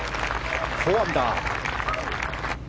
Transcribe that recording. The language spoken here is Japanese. ４アンダー。